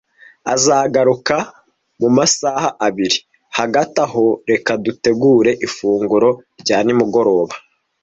Azagaruka mumasaha abiri. Hagati aho, reka dutegure ifunguro rya nimugoroba.